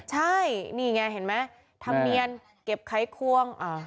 ใช่นี่ไงเห็นไหมทำเนียนเก็บไข้ควงอ่า